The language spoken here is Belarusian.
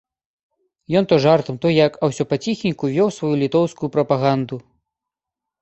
Ён то жартам, то як, а ўсё паціхеньку вёў сваю літоўскую прапаганду.